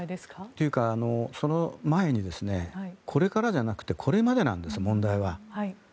というか、その前にこれからじゃなくてこれまでなんです、問題は。